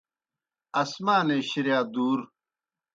آسمانے شِرِیا دُور